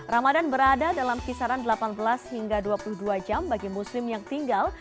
ramadan berada dalam kisaran delapan belas hingga dua puluh dua jam bagi muslim yang tinggal